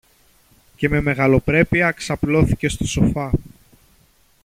Και με μεγαλοπρέπεια ξαπλώθηκε στο σοφά.